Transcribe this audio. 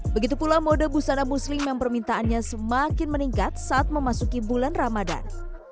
begitu pula mode busana muslim yang permintaannya semakin meningkat saat memasuki bulan ramadan